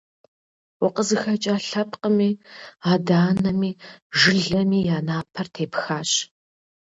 УкъызыхэкӀа лъэпкъыми, адэ анэми, жылэми я напэр тепхащ.